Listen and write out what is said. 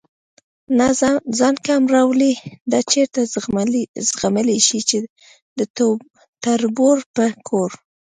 نه ځان کم راولي، دا چېرته زغملی شي چې د تربور په کور.